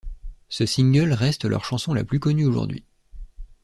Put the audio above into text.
Ce single reste leur chanson la plus connue aujourd'hui.